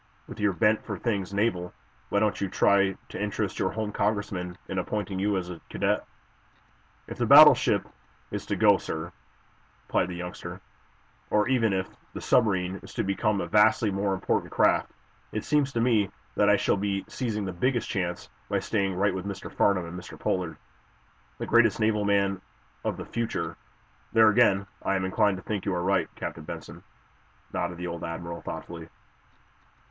With your bent for things naval, why don't you try to interest your home Congressman in appointing you as a cadet?" "If the battleship is to go, sir," replied the youngster, "or even if the submarine is to become a vastly more important craft, it seems to me that I shall be seizing the biggest chance by staying right with Mr. Farnum and Mr. Pollard. The greatest naval man of the future may be the all around submarine expert." "There, again, I am inclined to think you are right, Captain Benson," nodded the old admiral, thoughtfully.